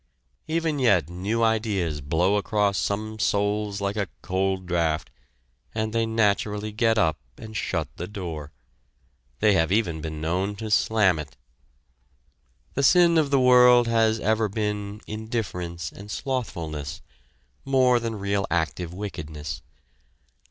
Even yet new ideas blow across some souls like a cold draught, and they naturally get up and shut the door! They have even been known to slam it! The sin of the world has ever been indifference and slothfulness, more than real active wickedness.